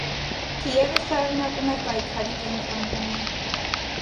Կիևը շարունակում էր պայքարի կենտրոն լինել։